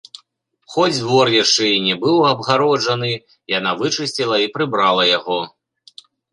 Хоць двор яшчэ і не быў абгароджаны, яна вычысціла і прыбрала яго.